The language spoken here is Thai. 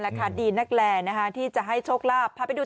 แหละค่ะดีนักแกรร์ที่จะให้โชคราบพาไปดู